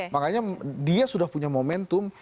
makanya dia sudah punya momentum